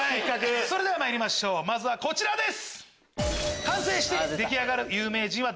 それではまいりましょうまずはこちらです！